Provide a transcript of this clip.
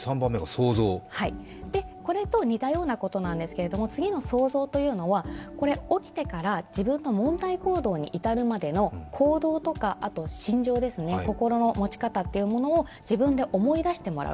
これと似たようなことなんですけれども、次の想像というのは起きてから自分が問題行動に至るまでの行動とか心情、心の持ち方を自分で思い出してもらう。